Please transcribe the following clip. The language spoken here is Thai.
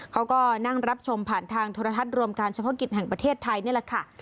เขาก็นั่งรับชมผ่านทางโทรทัศน์รวมการเฉพาะกิจแห่งประเทศไทยนี่แหละค่ะ